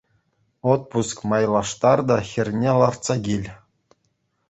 Отпуск майлаштар та хӗрне лартса кил.